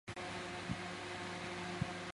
伦敦是一个位于美国阿肯色州波普县的城市。